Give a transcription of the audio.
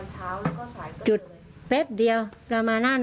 ต่อแปะน่ะ